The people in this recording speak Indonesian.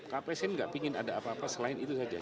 kpsn nggak ingin ada apa apa selain itu saja